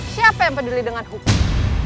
siapa yang peduli dengan hukum